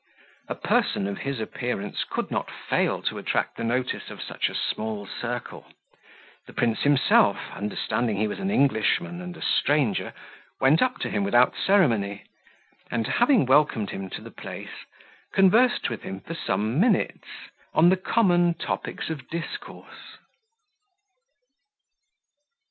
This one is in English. A person of his appearance could not fail to attract the notice of such a small circle. The prince himself, understanding he was an Englishman and a stranger, went up to him without ceremony, and, having welcomed him to the place, conversed with him for some minutes on the common topics of discourse.